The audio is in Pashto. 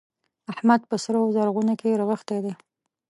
احمد په سره و زرغونه کې رغښتی دی.